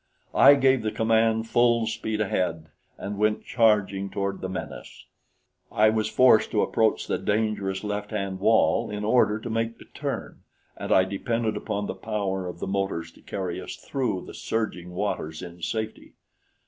I gave the command full speed ahead and went charging toward the menace. I was forced to approach the dangerous left hand wall in order to make the turn, and I depended upon the power of the motors to carry us through the surging waters in safety.